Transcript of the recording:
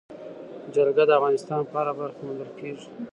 جلګه د افغانستان په هره برخه کې موندل کېږي.